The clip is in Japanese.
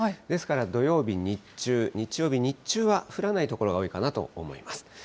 ですから土曜日日中、日曜日日中は、降らない所が多いかなと思います。